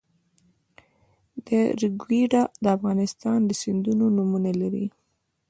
ریګویډا د افغانستان د سیندونو نومونه لري